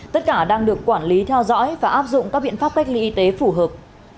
tất cả đang được quản lý theo dõi và áp dụng các biện pháp cách ly y tế phù hợp